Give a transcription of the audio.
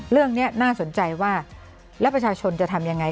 เรื่องนี้น่าสนใจว่าแล้วประชาชนจะทำยังไง